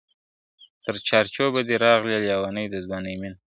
تر چار چوبه دی راغلې لېونۍ د ځوانۍ مینه ,